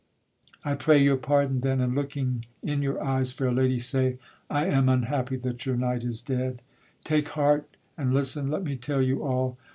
I pray your pardon then, And, looking in your eyes, fair lady, say I am unhappy that your knight is dead. Take heart, and listen! let me tell you all.